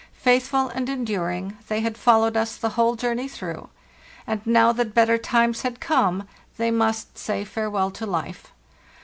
Faithful and enduring, they had followed us the whole journey through; and, now that better times had come, they must say farewell to hfe.